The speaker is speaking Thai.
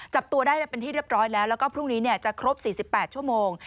จับตัวได้เป็นที่เรียบร้อยแล้วแล้วก็พรุ่งนี้จะครบ๔๘ชั่วโมง